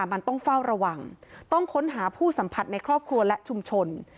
มันต้องเฝ้าระวังต้องค้นหาผู้สัมผัสในครอบครัวและชุมชน